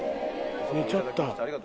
寝ちゃった。